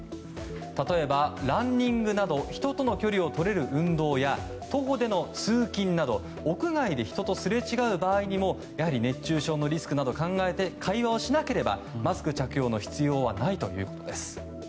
例えば、ランニングなど人との距離をとれる運動や徒歩での通勤など屋外で人とすれ違う場合にも熱中症のリスクなどを考えて会話をしなければマスク着用の必要はないということです。